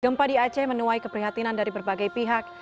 gempa di aceh menuai keprihatinan dari berbagai pihak